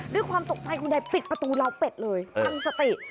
ด้วยความตกใจคุณยายปิดประตูลาวเป็ดเลยตั้งสติ